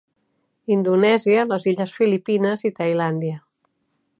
Indonèsia, les illes Filipines i Tailàndia.